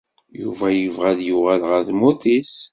Yuba yebɣa d yuɣal ɣer tmurt is.